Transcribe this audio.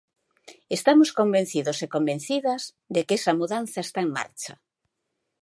Estamos convencidos e convencidas de que esa mudanza está en marcha.